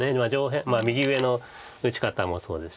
右上の打ち方もそうですし。